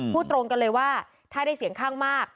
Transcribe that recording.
พูดตรงกันเลยว่าถ้าได้เสียงข้างมาก